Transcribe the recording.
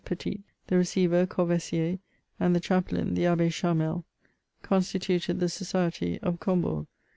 Petit, the receiver Corvaisier, and the chaplain, the Abbe Channel, constituted the society of Combourg.